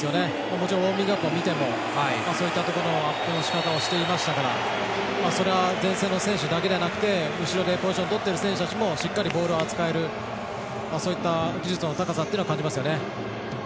もちろんウォーミングアップを見てもそういったところのアップのしかたをしていましたからそれは前線の選手だけではなくて後ろでポジションをとっている選手たちもしっかりボールを扱えるそういった技術の高さを感じますよね。